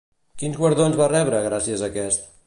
Quins guardons va rebre gràcies a aquest?